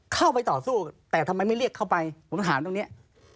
เข้าไปต่อสู้แต่ทำไมไม่เรียกเข้าไปผมถามตรงนี้